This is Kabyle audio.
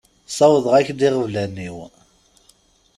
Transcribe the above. Ssawḍeɣ-ak-d iɣeblan-iw.